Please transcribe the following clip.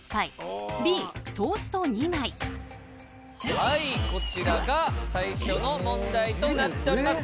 はいこちらが最初の問題となっております。